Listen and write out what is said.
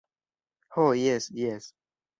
Ho jes, jes.